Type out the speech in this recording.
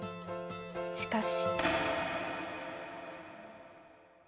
しかし。